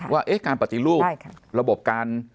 ว่าการปฏิรูประบบการ